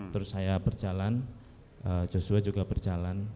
terus saya berjalan joshua juga berjalan